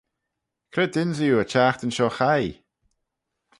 Cre dynsee oo y çhiaghtin shoh chaie?